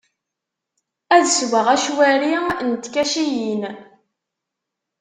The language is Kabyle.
Ad sweɣ acwari n tkaciyin.